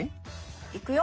いくよ。